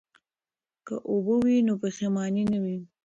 که اوبه وي نو پښیماني نه وي.